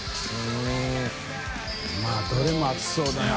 泙どれも熱そうだな。